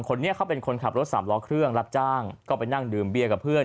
คนนี้เขาเป็นคนขับรถสามล้อเครื่องรับจ้างก็ไปนั่งดื่มเบียร์กับเพื่อน